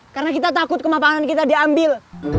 karena kita takut kemampanan kita diambil